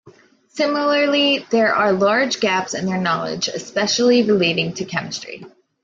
Similarly, there are large gaps in their knowledge, especially relating to chemistry.